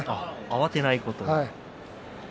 慌てないこと。